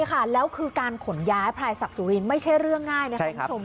ใช่ค่ะแล้วคือการขนย้ายพลายศักดิ์สุรินไม่ใช่เรื่องง่ายนะครับคุณผู้ชม